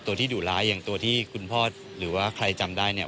ตัวที่ดุร้ายอย่างตัวที่คุณพ่อหรือว่าใครจำได้เนี่ย